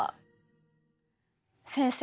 先生